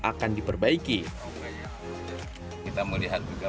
akan diperbaiki kita melihat juga